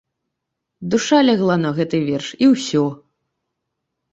Душа лягла на гэты верш, і ўсё.